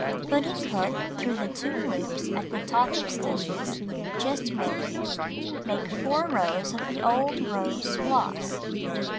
Putting hook through the 2 loops at the top of stitches just made, make 4 rows of the old rose floss.